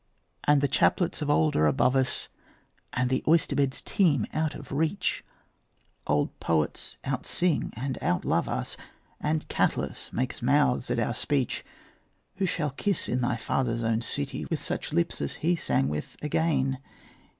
And the chaplets of old are above us, And the oyster bed teems out of reach; Old poets outsing and outlove us, And Catullus makes mouths at our speech. Who shall kiss, in thy father's own city, With such lips as he sang with, again?